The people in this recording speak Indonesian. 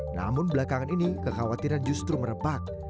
namun belakangan ini kekhawatiran justru merepat